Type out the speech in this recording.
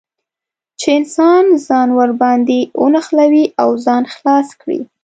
چې انسان ځان ور باندې ونښلوي او ځان خلاص کړي.